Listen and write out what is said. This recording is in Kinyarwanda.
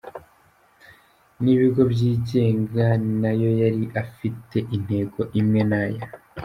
n’ibigo byigenga, na yo yari afite intego imwe n’aya.